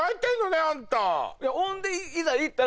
ほんでいざ行ったら。